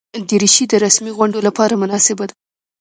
دریشي د رسمي غونډو لپاره مناسبه ده.